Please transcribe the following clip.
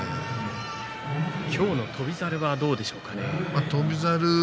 翔猿はどうでしょうか？